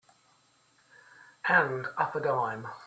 And up a dime.